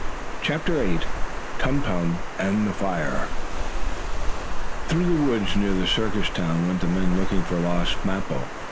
CHAPTER VIII TUM TUM AND THE FIRE Through the woods, near the circus town, went the men looking for lost Mappo.